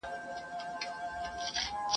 پخپله یې وژلی په تیاره لار کي مشل دی ..